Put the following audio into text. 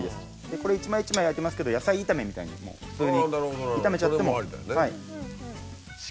これ一枚一枚焼いてますけど野菜炒めみたいに普通に炒めちゃっても。